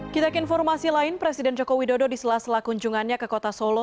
kita ke informasi lain presiden joko widodo di sela sela kunjungannya ke kota solo